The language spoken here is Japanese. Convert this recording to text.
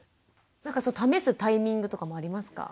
なんか試すタイミングとかもありますか？